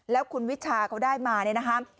แล้วคุณวิชาเขาได้มานะครับ